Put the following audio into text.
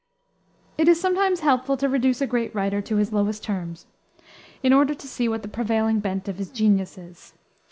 It is sometimes helpful to reduce a great writer to his lowest term, in order to see what the prevailing bent of his genius is.